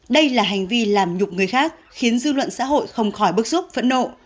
đây là hành vi làm nhục người khác khiến dư luận xã hội không khỏi bức xúc phẫn nộ